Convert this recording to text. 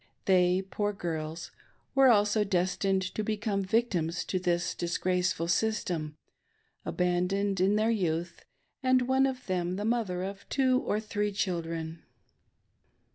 They, poor girls, were also destined to become victims to this disgraceful system — abandoned in their youth, and one of them the mother of two or three children.